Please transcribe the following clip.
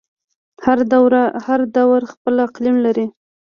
هر دور خپل قلم لري.